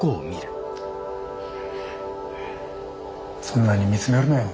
そんなに見つめるなよ。